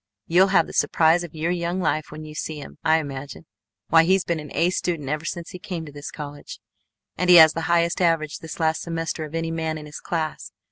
You'll have the surprise of your young life when you see him, I imagine. Why, he's been an A student ever since he came to this college, and he has the highest average this last semester of any man in his class.